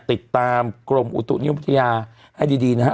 ติดตามกรมอุตุนิยมวิทยาให้ดีนะฮะ